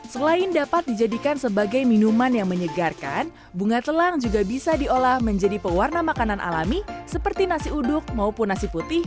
selain dapat dijadikan sebagai minuman yang menyegarkan bunga telang juga bisa diolah menjadi pewarna makanan alami seperti nasi uduk maupun nasi putih